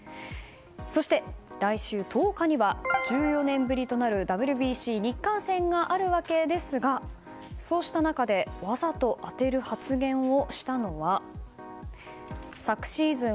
そして、来週１０日には１４年ぶりとなるＷＢＣ日韓戦があるわけですがそうした中でわざと当てる発言をしたのは昨シーズン